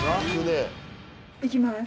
いきます。